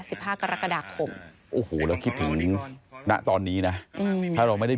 ห้ากรกฎาคมโอ้โหเราคิดถึงณตอนนี้นะอืมถ้าเราไม่ได้